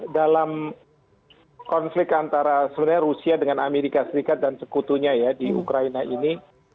dalam konflik antara sebenarnya rusia dengan amerika serikat dan sekutunya ya di ukraina ini